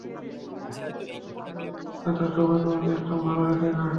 আর এমনে ও, কাঁদার সময় তোমাকে একদম ভালো দেখায় না।